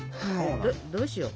どうしよう？